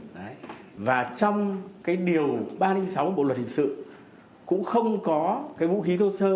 đấy và trong cái điều ba trăm linh sáu bộ luật hình sự cũng không có cái vũ khí thô sơ